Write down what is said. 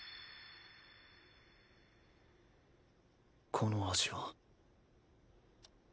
この味は。